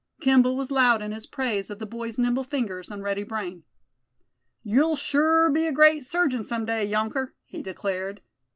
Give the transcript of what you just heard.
Kimball was loud in his praise of the boy's nimble fingers and ready brain. "You'll sure be a great surgeon some day, younker!" he declared.